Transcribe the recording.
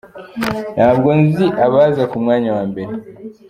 Ntabwo nzi abaza ku mwanya wa mbere